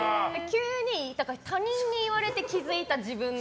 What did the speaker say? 他人に言われて気づいた自分の。